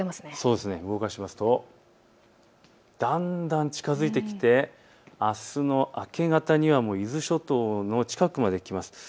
動かしますと、だんだん近づいてきてあすの明け方には伊豆諸島の近くまで来ます。